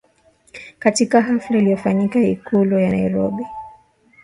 katika hafla iliyofanyika Ikulu ya Nairobi